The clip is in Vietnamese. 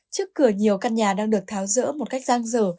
trước cửa nhiều căn nhà đang được tháo rỡ một cách giang dở